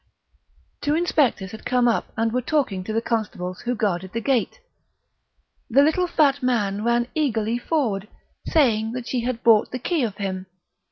Two inspectors had come up and were talking to the constables who guarded the gate. The little fat man ran eagerly forward, saying that she had bought the key of him.